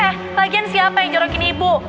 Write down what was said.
eh lagian siapa yang jorokin ibu